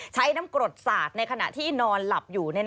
ใช้น้ำกรดสาดในขณะที่นอนหลับอยู่